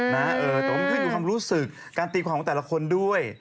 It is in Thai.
นะเออแต่มันขึ้นอยู่ความรู้สึกการตีขวาของแต่ละคนด้วย